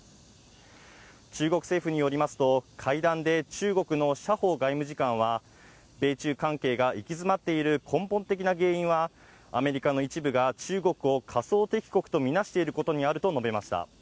中国政府によりますと、会談で中国の謝鋒外務次官は、米中関係が行き詰まっている根本的な原因は、アメリカの一部が中国を仮想敵国と見なしていることにあると述べました。